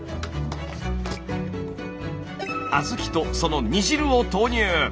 小豆とその煮汁を投入。